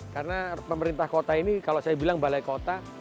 karena pemerintah kota ini kalau saya bilang balai kota